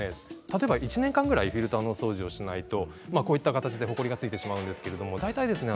例えば１年間ぐらいフィルターのお掃除をしないとこういった形でほこりがついてしまうんですけれども大体ですね